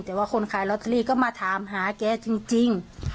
แต่ว่าคนขายลอตเตอรี่ก็มาถามหาแกจริง